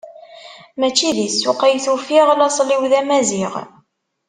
Mačči di ssuq ay t-ufiɣ, laṣel-iw d amaziɣ.